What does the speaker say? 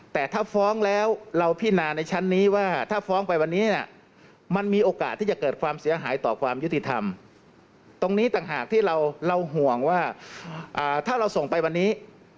ตรงนี้ต่างหากที่เราห่วงว่าถ้าเราส่งไปวันนี้